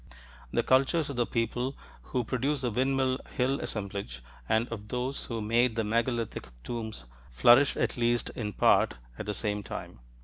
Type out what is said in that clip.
The cultures of the people who produced the Windmill Hill assemblage and of those who made the megalithic tombs flourished, at least in part, at the same time.